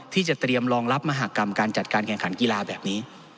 ที่จะเตรียมรองรับมหากรรมการจัดการแข่งขันกีฬาแบบนี้